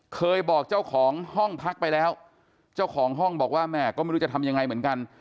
เคยบอกเจ้าของห้องพักไปแล้วเจ้าของห้องบอกว่าแม่ก็ไม่รู้จะทำยังไงเหมือนกัน